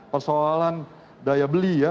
persoalan daya beli ya